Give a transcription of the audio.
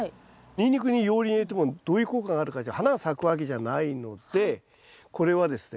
ニンニクに熔リン入れてもどういう効果があるか花が咲くわけじゃないのでこれはですね